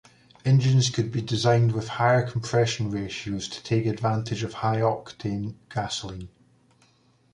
Engines could be designed with higher compression ratios to take advantage of high-octane gasoline.